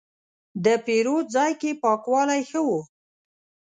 د پیرود ځای کې پاکوالی ښه و.